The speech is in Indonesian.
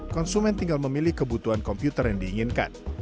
konsumen tinggal memilih kebutuhan komputer yang diinginkan